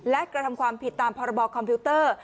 และกระทำความผิดตามพรบคอมพิวเตอร์